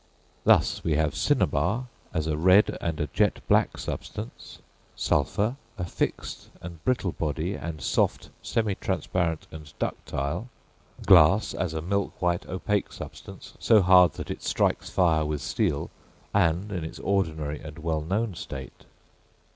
Thus we have cinnabar as a red and a jet black substance; sulphur a fixed and brittle body, and soft, semitransparent, and ductile; glass as a milk white opaque substance, so hard that it strikes fire with steel, and in its ordinary and well known state.